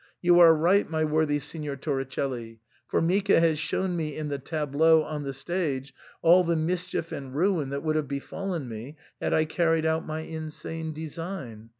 You are right, my worthy Signor Tori celli ; Formica has shown me in the tableau on the stage all the mischief and ruin that would have befallen me had I carried out my insane design.